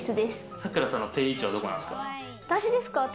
さくらさんの定位置はどこですか？